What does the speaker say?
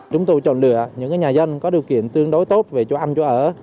chúng tôi chọn được những nhà dân có điều kiện tương đối tốt về chỗ ăn chỗ ở